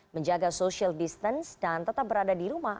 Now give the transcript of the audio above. menjaga social distance dan tetap berada di rumah